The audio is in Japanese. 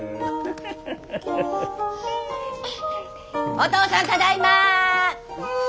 お父さんただいま。